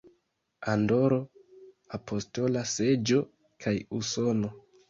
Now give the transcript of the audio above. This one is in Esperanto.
Andoro, Apostola Seĝo kaj Usono.